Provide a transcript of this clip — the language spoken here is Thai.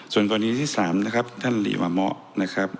ส่วนตอนนี้ที่สามนะครับท่านหลีวะมะนะครับ